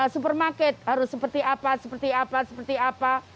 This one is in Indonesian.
supermarket harus seperti apa seperti apa seperti apa